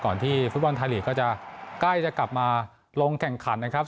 ที่ฟุตบอลไทยลีกก็จะใกล้จะกลับมาลงแข่งขันนะครับ